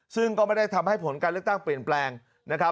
ซึ่งก็ไม่ได้ทำให้ผลการเลือกตั้งเปลี่ยนแปลงนะครับ